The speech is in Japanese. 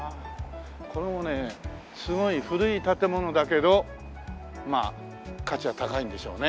これもねすごい古い建物だけどまあ価値は高いんでしょうね。